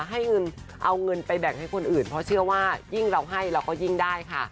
ให้เงินเอาเงินไปแบ่งให้คนอื่นเพราะเชื่อว่ายิ่งเราให้เราก็ยิ่งได้ค่ะ